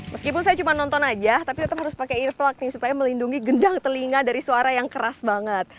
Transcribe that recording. meskipun saya cuma nonton aja tapi tetap harus pakai earplug nih supaya melindungi gendang telinga dari suara yang keras banget